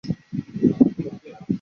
厄尔河畔讷伊人口变化图示